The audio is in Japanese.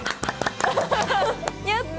やった！